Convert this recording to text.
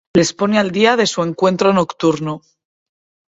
Les pone al día de su encuentro nocturno.